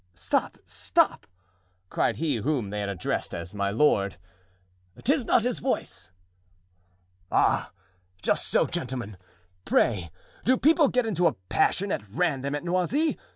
"Stop, stop!" cried he whom they had addressed as "my lord;" "'tis not his voice." "Ah! just so, gentlemen! pray, do people get into a passion at random at Noisy?